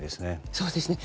そうですね。